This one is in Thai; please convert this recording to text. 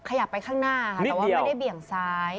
ขยับไปข้างหน้าค่ะแต่ว่าไม่ได้เบี่ยงซ้าย